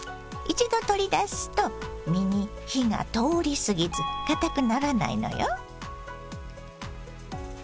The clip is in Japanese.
一度取り出すと身に火が通り過ぎずかたくならないのよ。